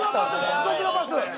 地獄のパス！